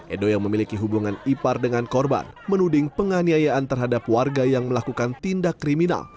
edo yang memiliki hubungan ipar dengan korban menuding penganiayaan terhadap warga yang melakukan tindak kriminal